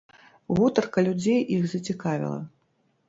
Гутарка людзей іх зацікавіла.